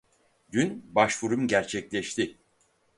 Dün başvurum gerçekleşti.